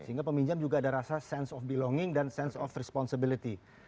sehingga peminjam juga ada rasa sense of belonging dan sense of responsibility